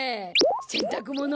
せんたくもの！